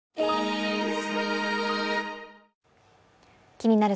「気になる！